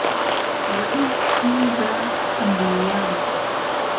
ڕەئیس بوو بۆ ئهملییایان